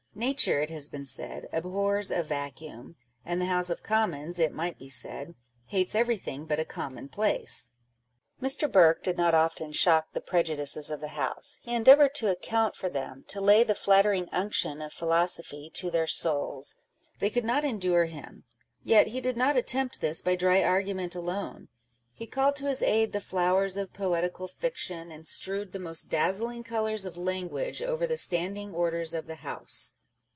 Nature, it has been said, abhors a vacuum ; and the House of Commons, it might be said, hates every thing but a commonplace ! Mr. Burke did not often shock the prejudices of the House : he endeavoured to account for them, to "lay the nattering unction " of philo sophy " to their souls." They could not endure him. Yet he did not attempt this by dry argument alone ; he called to his aid the flowers of poetical fiction, and strewed the most dazzling colours of language over the Standing Orders of the House.